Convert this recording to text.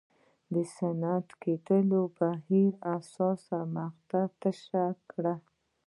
د صنعتي کېدو په بهیر کې حساسه مقطعه تشدید کړه.